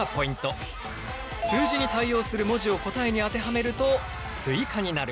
数字に対応する文字を答えに当てはめるとスイカになる！